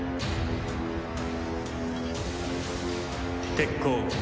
鉄鋼！